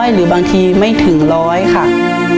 หรือบางทีไม่ถึง๑๐๐บาท